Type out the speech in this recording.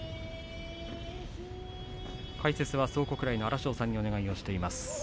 解説は蒼国来の荒汐さんにお願いしています。